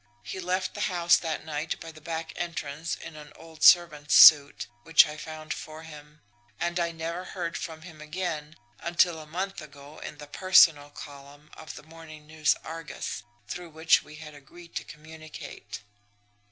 He left the house that night by the back entrance in an old servant's suit, which I found for him and I never heard from him again until a month ago in the 'personal' column of the MORNING NEWS ARGUS, through which we had agreed to communicate.